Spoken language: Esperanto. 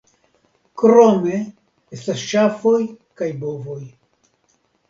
Krome estas ŝafoj kaj bovoj.